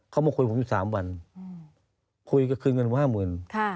คุยกับคืนเงินห้าหมื่น